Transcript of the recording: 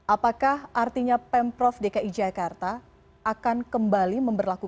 apakah artinya pemprov dki jakarta akan kembali memperlakukan